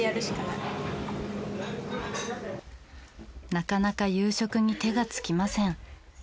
なかなか夕食に手がつきません。